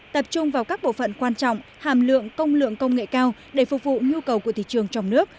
tập trung vào các bộ phận quan trọng hàm lượng công lượng công nghệ cao để phục vụ nhu cầu của thị trường trong nước